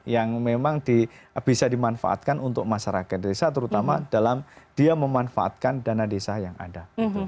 yang memang bisa dimanfaatkan untuk masyarakat desa terutama dalam dia memanfaatkan dana desa yang ada